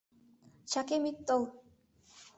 Чакем ит тол.